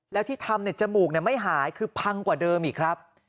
แล้วที่ทำจมูกไม่หายคือพังกว่าเดิมอีกครับ